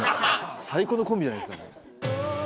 最高のコンビじゃないですか。